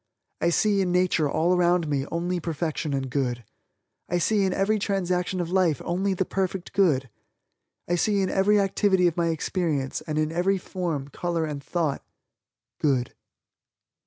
I see in nature all around me only perfection and good. I see in every transaction of life only the perfect good. I see in every activity of my experience, and in every form, color and thought, good.